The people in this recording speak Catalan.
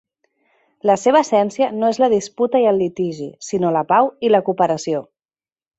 La seva essència no és la disputa i el litigi, sinó la pau i la cooperació.